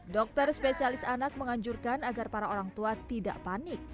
dokter spesialis anak menganjurkan agar para orang tua tidak panik